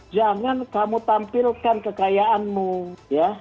jangan kamu tampilkan kekayaanmu ya